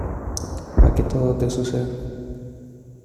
a que todo te suceda.